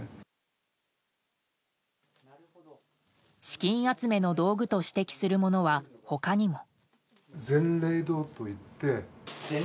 資金集めの道具と指摘するものは他にも。